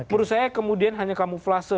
menurut saya kemudian hanya kamuflase